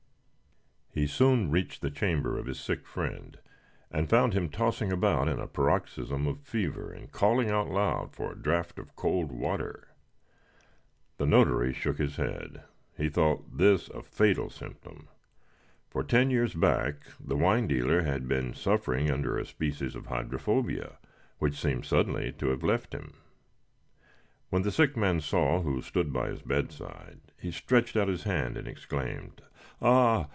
He soon reached the chamber of his sick friend, and found him tossing about in a paroxysm of fever, and calling aloud for a draught of cold water. The notary shook his head; he thought this a fatal symptom; for ten years back the wine dealer had been suffering under a species of hydrophobia, which seemed suddenly to have left him. When the sick man saw who stood by his bedside he stretched out his hand and exclaimed: "Ah!